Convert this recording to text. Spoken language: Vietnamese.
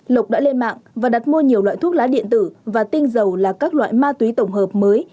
lộc đã lên mạng và đặt mua nhiều loại thuốc lá điện tử và tinh dầu là các loại ma túy tổng hợp mới